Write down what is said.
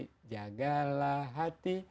bdnf jagalah hati